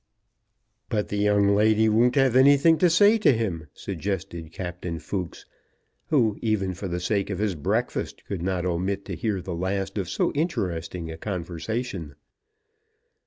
"But the young lady wouldn't have anything to say to him," suggested Captain Fooks, who, even for the sake of his breakfast, could not omit to hear the last of so interesting a conversation.